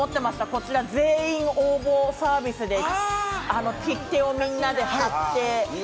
これは全員応募サービスで切手をみんなで貼って。